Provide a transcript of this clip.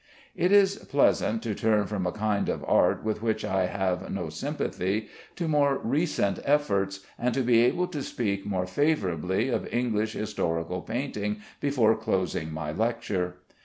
It is pleasant to turn from a kind of art with which I have no sympathy, to more recent efforts, and to be able to speak more favorably of English historical painting before closing my lecture.